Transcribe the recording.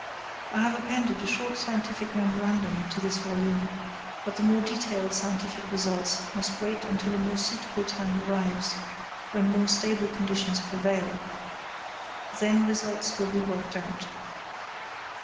I have appended a short scientific memorandum to this volume, but the more detailed scientific results must wait until a more suitable time arrives, when more stable conditions prevail. Then results will be worked out.